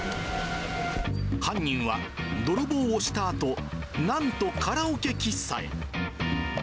犯人は、泥棒をしたあと、なんとカラオケ喫茶へ。